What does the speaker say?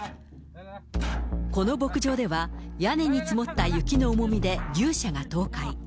この牧場では、屋根に積もった雪の重みで牛舎が倒壊。